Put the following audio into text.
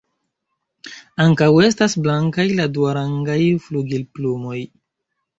Ankaŭ estas blankaj la duarangaj flugilplumoj.